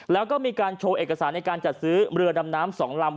แล้วก็มีการโชว์เอกสารในการจัดซื้อเรือดำน้ำ๒ลำ